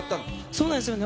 そうなんですよね。